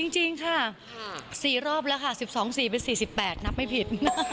จริงค่ะ๔รอบแล้วค่ะ๑๒๔เป็น๔๘นับไม่ผิด